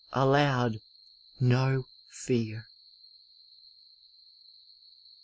Allowed BO fear.'